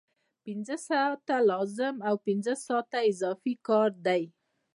پنځه ساعته لازم او پنځه ساعته اضافي کار دی